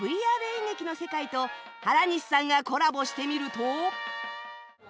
演劇の世界と原西さんがコラボしてみると